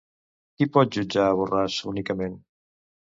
Qui pot jutjar a Borràs únicament?